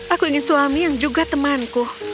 aku ingin suami yang juga temanku